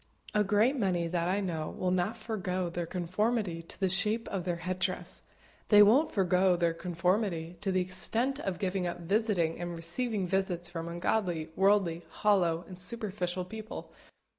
A great many that I know will not forego their conformity to the shape of their head dress. They won't forego their conformity to the extent of giving up visiting and receiving visits from ungodly, worldly, hollow, and superficial people.